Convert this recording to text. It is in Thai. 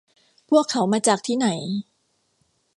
พวกเขามาจากที่ไหน